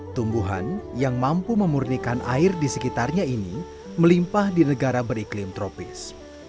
tumbuhan yang mampu memurnikan air di sekitarnya ini melimpah di negara beriklim tropis